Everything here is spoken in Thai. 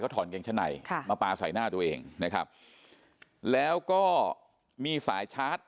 ถอนเกงชั้นในค่ะมาปลาใส่หน้าตัวเองนะครับแล้วก็มีสายชาร์จ